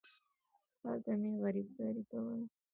هلته مې غريبکاري کوله.